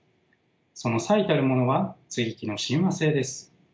その最たるものは接ぎ木の親和性です。